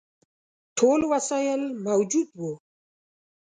ټول وسایل موجود وه.